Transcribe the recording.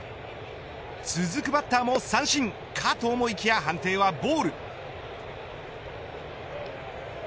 続くバッターも三振かと思いきや判定はボール。